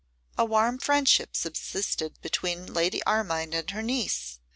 A warm friendship subsisted between Lady Armine and her niece.